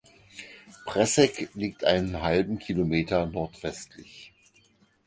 Presseck liegt einen halben Kilometer nordwestlich.